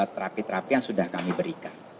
terapi terapi yang sudah kami berikan